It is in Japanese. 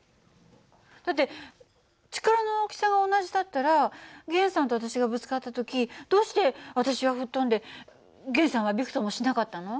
だって力の大きさが同じだったら源さんと私がぶつかった時どうして私は吹っ飛んで源さんはびくともしなかったの？